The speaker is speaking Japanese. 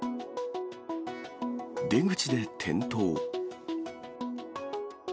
出口で転倒。